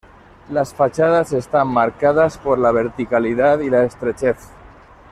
Las fachadas están marcadas por la verticalidad y la estrechez.